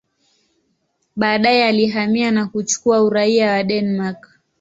Baadaye alihamia na kuchukua uraia wa Denmark.